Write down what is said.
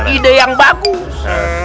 ide yang bagus